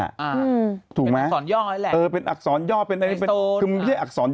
อ่าถูกมั้ยเป็นอักษรย่อแหละเออเป็นอักษรย่อเป็นเป็นคือมันไม่ใช่อักษรย่อ